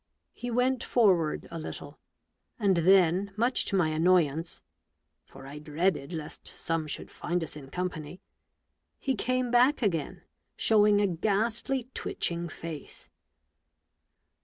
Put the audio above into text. " He went forward a little; then, much to my A STUDY IN MURDER, log annoyance (for I dreaded lest some should find us in company), he came back again, shewing a ghastly, twitching face.